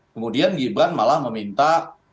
kemudian gibran malah meminta